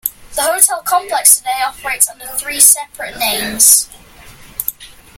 The hotel complex today operates under three separate names.